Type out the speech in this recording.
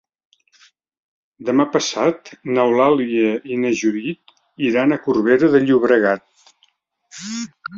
Demà passat n'Eulàlia i na Judit iran a Corbera de Llobregat.